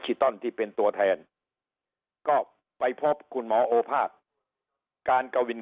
ตอนที่เป็นตัวแทนก็ไปพบคุณหมอโอภาษการกวิน